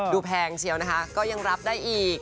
แพงเชียวนะคะก็ยังรับได้อีก